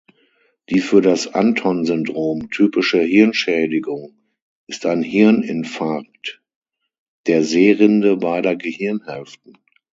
Die für das Anton-Syndrom typische Hirnschädigung ist ein Hirninfarkt der Sehrinde beider Gehirnhälften.